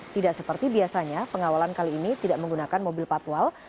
tidak seperti biasanya pengawalan kali ini tidak menggunakan mobil patwal